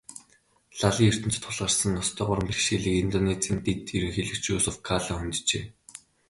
Лалын ертөнцөд тулгарсан ноцтой гурван бэрхшээлийг Индонезийн дэд ерөнхийлөгч Юсуф Калла хөнджээ.